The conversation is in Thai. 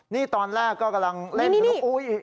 นี่ตอนแรกก็กำลังเล่นนี่